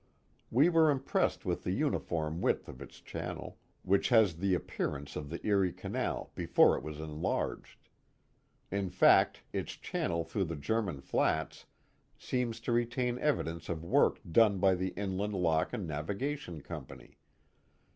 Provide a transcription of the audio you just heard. We were impressed with the uniform width of its channel, which has the appearance of the Erie Cmal before it was enlarged In fact its channel through the German Flats seems lo retain evidence of work done by the Inland Lock and N;ivigation Company.